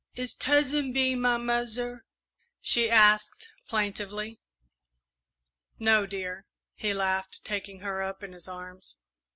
"Is Tuzzin Bee my muzzer?" she asked plaintively. "No, dear," he laughed, taking her up in his arms.